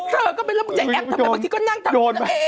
เราก็ไม่รู้มึงใจแอปทำไมบางทีก็นั่งทำเอง